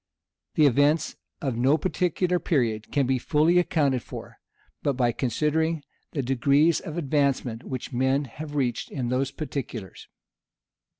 The events of no particular period can be fully accounted for, but by considering the degrees of advancement which men have reached in those particulars.